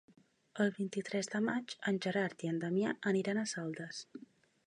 El vint-i-tres de maig en Gerard i en Damià aniran a Saldes.